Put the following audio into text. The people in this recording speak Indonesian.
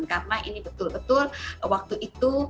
karena ini betul betul waktu itu